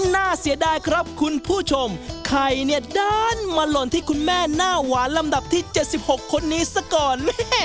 น่าเสียดายครับคุณผู้ชมไข่เนี่ยด้านมาหล่นที่คุณแม่หน้าหวานลำดับที่๗๖คนนี้ซะก่อน